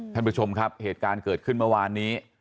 ท่านผู้ชมครับเหตุการณ์เกิดขึ้นเมื่อวานนี้